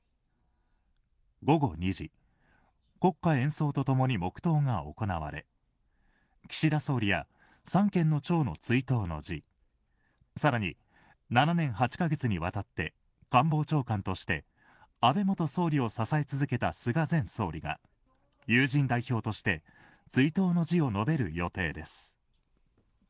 午後２時、国歌演奏と共に黙祷が行われ岸田総理や三権の長の追悼の辞更に、７年８か月にわたって官房長官として安倍元総理を支え続けた菅前総理が友人代表として追悼の辞を述べる予定です。